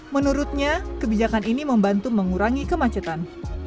menurutnya kebijakan ini membantu mengurangi kemacetan